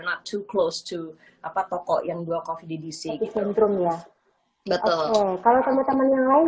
not too close to apa toko yang gua coffee di dc di centrum ya betul kalau teman teman yang lain